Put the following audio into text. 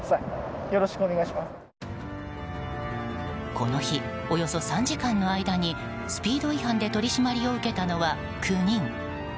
この日、およそ３時間の間にスピード違反で取り締まりを受けたのは９人。